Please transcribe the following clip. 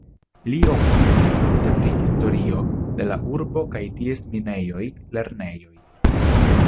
Li okupiĝis multe pri historio de la urbo kaj ties minejoj, lernejoj.